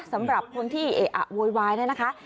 สำหรับคนที่โว๊ยวายได้นะคะ